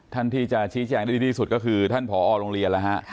ท่านที่จะชี้จังได้ดีสุดก็คือท่านพอหลงเรียน